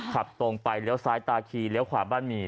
ขับตรงไปเลี้ยวซ้ายตาคีเลี้ยวขวาบ้านหมี่